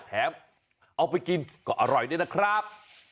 แถมเอาไปกินก็อร่อยด้วยนะครับ